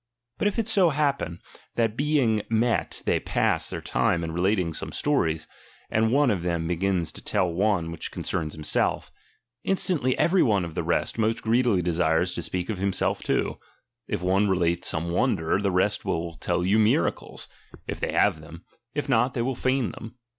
But if it so happen, that being met they pass their time in relating some stories, and one of them begins to tell one which concerns himself; instantly every one of the rest most greedily desires to speak of himself too ; if one relate some wonder, the rest will tell you miracles, if they have them ; if not, they will feign them.